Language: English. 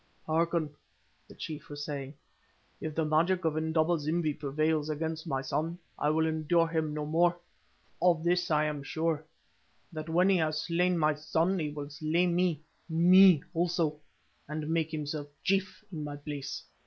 "Hearken!" the chief was saying, "if the magic of Indaba zimbi prevails against my son I will endure him no more. Of this I am sure, that when he has slain my son he will slay me, me also, and make himself chief in my place.